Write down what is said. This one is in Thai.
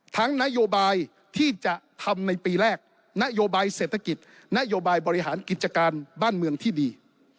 นโยบายที่จะทำในปีแรกนโยบายเศรษฐกิจนโยบายบริหารกิจการบ้านเมืองที่ดี